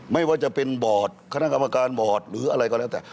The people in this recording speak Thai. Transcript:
ไม่ว่าจะเป็นบอร์ดคณะกรรมการบอร์ดหรืออะไรก็แล้วแต่